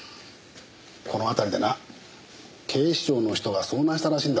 この辺りでな警視庁の人が遭難したらしいんだわ。